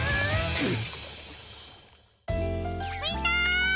フッ！